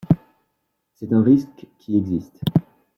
C’est un risque qui existe.